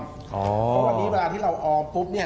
เพราะวันนี้เวลาที่เราออมปุ๊บเนี่ย